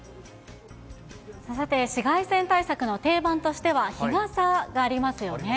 さて、紫外線対策の定番としては、日傘がありますよね。